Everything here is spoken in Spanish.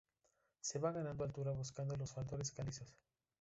Se va ganando altura buscando los faldones calizos.